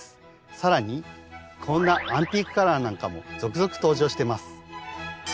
更にこんなアンティークカラーなんかも続々登場してます。